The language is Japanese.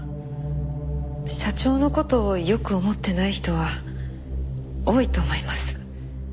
社長の事をよく思ってない人は多いと思います。